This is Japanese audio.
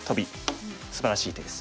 すばらしい手です。